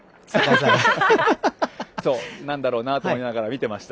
なんだろうなと思いながら見てました。